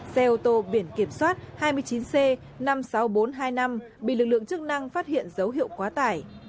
xe ô tô biển kiểm soát hai mươi chín c năm mươi sáu nghìn bốn trăm hai mươi năm bị lực lượng chức năng phát hiện dấu hiệu quá tải